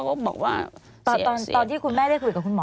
ตอนที่คุณแม่ได้คุยกับคุณหมอ